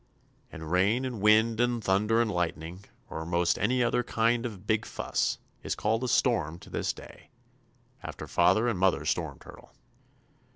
And rain and wind and thunder and lightning, or most any other kind of a big fuss, is called a 'storm' to this day, after Father and Mother Storm Turtle."